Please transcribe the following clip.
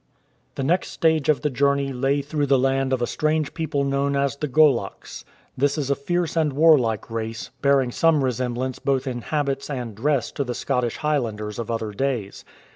The next stage of the journey lay through the land of F 8i THE KILTED GOLOKS a strange people known as the Goloks. This is a fierce and warhke race, bearing some resemblance both in habits and dress to the Scotch Highlanders of other days.